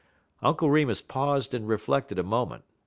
Uncle Remus paused and reflected a moment.